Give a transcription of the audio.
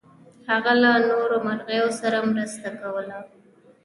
هغه له نورو مرغیو سره مرسته کوله.